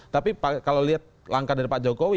tapi kalau lihat langkah dari pak jokowi